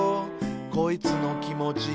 「こいつのきもち」